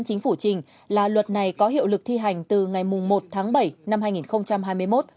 chính phủ trình là luật này có hiệu lực thi hành từ ngày một tháng bảy năm hai nghìn hai mươi một